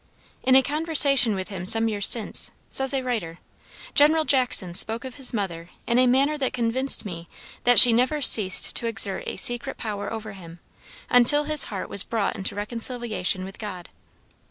In a conversation with him some years since, says a writer, "General Jackson spoke of his mother in a manner that convinced me that she never ceased to exert a secret power over him, until his heart was brought into reconciliation with God."